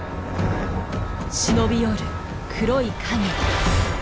忍び寄る黒い影。